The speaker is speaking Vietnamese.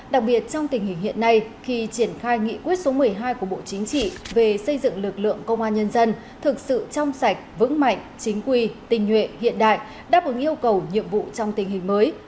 đặc biệt trong tình hình hiện nay khi triển khai nghị quyết số một mươi hai của bộ chính trị về xây dựng lực lượng công an nhân dân thực sự trong sạch vững mạnh chính quy tình nhuệ hiện đại đáp ứng yêu cầu nhiệm vụ trong tình hình mới